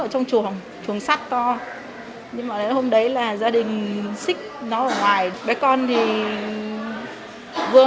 ở trong chuồng chuồng sắt to nhưng mà hôm đấy là gia đình xích nó ở ngoài với con thì vừa